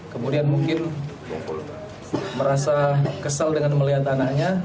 kemudian mungkin merasa kesal dengan melihat anaknya